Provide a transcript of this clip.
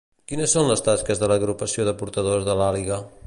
Quines són les tasques de l'Agrupació de Portadors de l'Àliga?